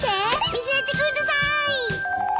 見せてください。